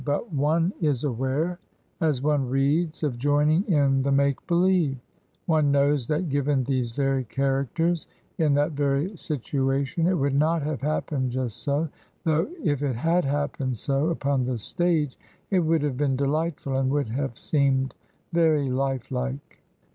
But one is aware, as one reads, of joining in the make believe; one knows that given these very characters, in that very situation, it would not have happened just so; though if it had happened so upon the stage, it would have been delightful, and wotdd have seemed very lifelike.